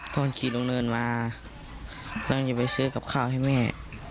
ตอนขี่ลงเนินมากำลังจะไปซื้อกับข้าวให้แม่